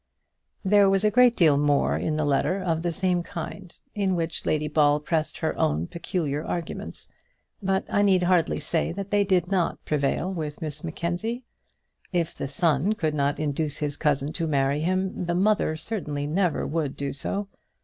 There was a great deal more in the letter of the same kind, in which Lady Ball pressed her own peculiar arguments; but I need hardly say that they did not prevail with Miss Mackenzie. If the son could not induce his cousin to marry him, the mother certainly never would do so.